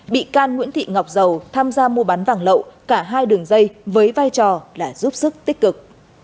bị can nguyễn thị ngọc dầu tham gia mua bán vàng lậu cả hai đường dây với vai trò là giúp sức tích cực